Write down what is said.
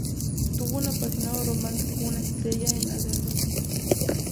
Tuvo un apasionado romance con una estrella en ascenso.